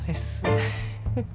フフフ。